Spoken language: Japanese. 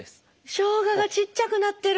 しょうががちっちゃくなってる！